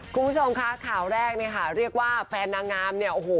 คุณผู้ชมคะข่าวแรกเนี่ยค่ะเรียกว่าแฟนนางงามเนี่ยโอ้โห